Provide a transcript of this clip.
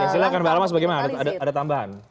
silahkan mbak almas bagaimana ada tambahan